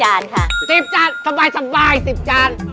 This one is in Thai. ๑๐จานสบาย๑๐จาน